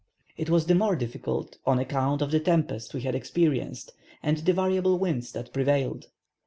It was the more difficult on account of the tempest we had experienced, and the variable winds that prevailed.